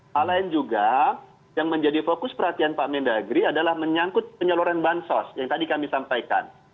hal lain juga yang menjadi fokus perhatian pak mendagri adalah menyangkut penyeluruhan bansos yang tadi kami sampaikan